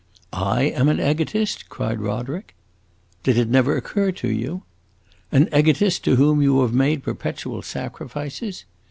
"I am an egotist?" cried Roderick. "Did it never occur to you?" "An egotist to whom you have made perpetual sacrifices?"